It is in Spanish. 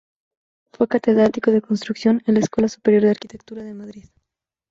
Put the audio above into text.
Fue catedrático de Construcción en la Escuela Superior de Arquitectura de Madrid.